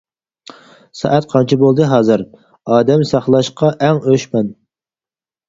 -سائەت قانچە بولدى ھازىر، ئادەم ساقلاشقا ئەڭ ئۆچ مەن.